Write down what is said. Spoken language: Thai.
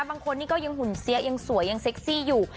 บางคนนี่ก็ยังหุ่นเสียยังสวยยังเซ็กซี่อยู่